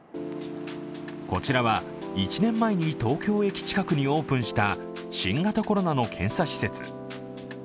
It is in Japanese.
こちらは、１年前に東京駅近くにオープンした新型コロナの検査施設。